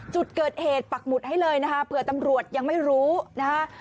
จุดเกิดเหตุปักหมุดให้เลยนะคะเผื่อตำรวจยังไม่รู้นะคะ